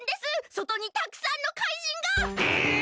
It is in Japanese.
そとにたくさんの怪人が！え！